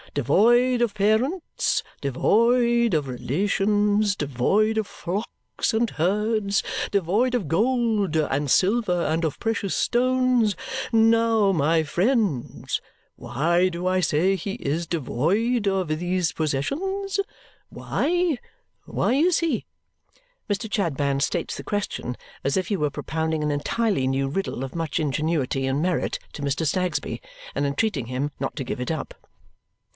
Devoid of parents, devoid of relations, devoid of flocks and herds, devoid of gold and silver and of precious stones. Now, my friends, why do I say he is devoid of these possessions? Why? Why is he?" Mr. Chadband states the question as if he were propounding an entirely new riddle of much ingenuity and merit to Mr. Snagsby and entreating him not to give it up. Mr.